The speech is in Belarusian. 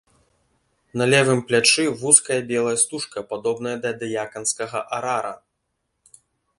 На левым плячы вузкая белая стужка, падобная да дыяканскага арара.